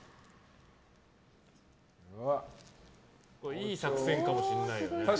いい作戦かもしれないよね。